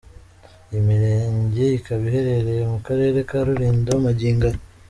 Iyi mirenge ikaba iherereye mu Karere ka Rulindo magingo aya.